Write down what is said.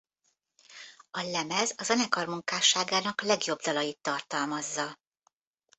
A lemez a zenekar munkásságának legjobb dalait tartalmazza.